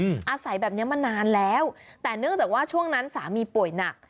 อาศัยแบบเนี้ยมานานแล้วแต่เนื่องจากว่าช่วงนั้นสามีป่วยหนัก